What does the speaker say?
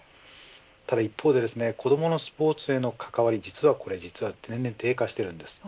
一方で子どものスポーツへの関わり実は、年々低下しているんです。